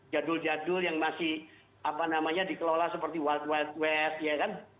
jadul jadul yang masih apa namanya dikelola seperti wild wild west ya kan